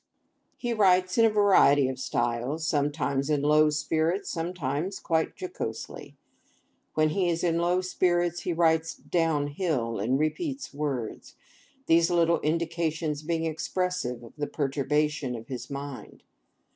He writes in a variety of styles; sometimes in low spirits; sometimes quite jocosely. When he is in low spirits he writes down hill and repeats words—these little indications being expressive of the perturbation of his mind.